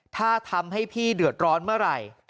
ถ้าทำให้พี่เดือดร้อนเมื่อไหร่